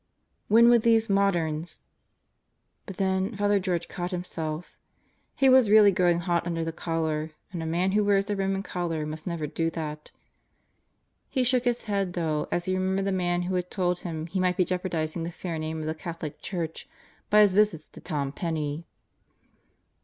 When would these moderns ... But then Father George caught himself. He was really growing hot under the collar, and a man who wears a Roman collar must never do that. He shook his head though as he remembered the man who had told him he might be jeopardizing the fair name of the Catholic Church by his visits to Tom Penney.